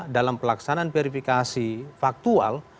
dalam pelaksanaan verifikasi faktual